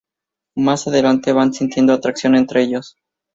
Más adelante van sintiendo atracción entre ellos.